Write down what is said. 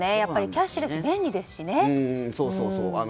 キャッシュレス便利ですしね。